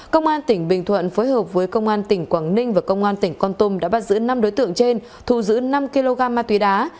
công an tỉnh bình thuận phối hợp với công an tỉnh quảng ninh và công an tỉnh con tôm đã bắt giữ năm đối tượng trên thu giữ năm kg ma túy đá